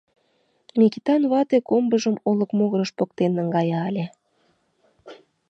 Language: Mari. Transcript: Микитан вате комбыжым олык могырыш поктен наҥгая ыле.